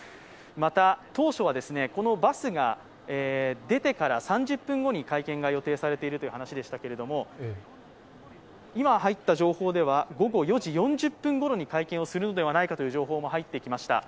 また、当初はこのバスが出てから３０分後に会見が予定されているという話でしたけれども、今入った情報では午後４時４０分ごろに会見をするのではないかという情報も入ってきました。